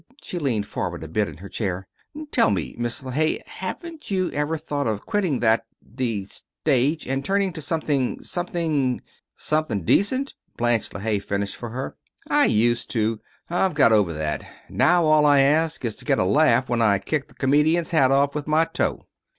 She leaned forward a bit in her chair. "Tell me, Miss LeHaye, haven't you ever thought of quitting that the stage and turning to something something " "Something decent?" Blanche LeHaye finished for her. "I used to. I've got over that. Now all I ask is to get a laugh when I kick the comedian's hat off with my toe."